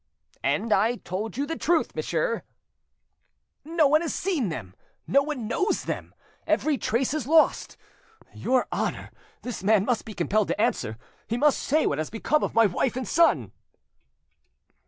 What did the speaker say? "And I told you the truth, monsieur." "No one has seen them, no one knows them; every trace is lost. Your Honour, this man must be compelled to answer, he must say what has become of my wife and son!"